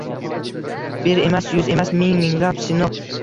Bir emas, yuz emas, ming-minglab Sino!